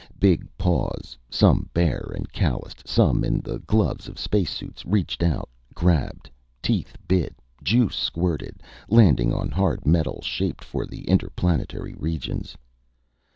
Big paws, some bare and calloused, some in the gloves of space suits, reached out, grabbed. Teeth bit. Juice squirted, landing on hard metal shaped for the interplanetary regions.